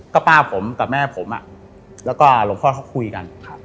ก็ป้าผมกับแม่ผมแล้วก็หลวงพ่อเขาคุยกัน